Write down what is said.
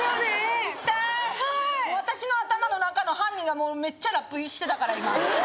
行きたーい私の頭の中の犯人がもうめっちゃラップしてたから今ええー？